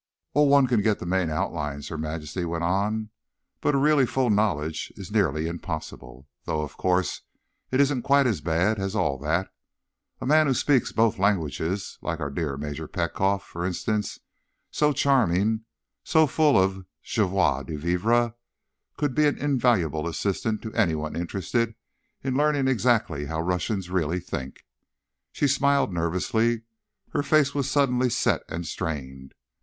_ "Oh, one can get the main outlines," Her Majesty went on, "but a really full knowledge is nearly impossible. Though, of course, it isn't quite as bad as all that. A man who speaks both languages, like our dear Major Petkoff, for instance—so charming, so full of joie de vivre—could be an invaluable assistant to anyone interested in learning exactly how Russians really think." She smiled nervously. Her face was suddenly set and strained.